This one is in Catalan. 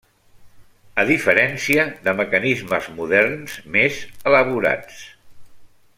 A diferència de mecanismes moderns més elaborats.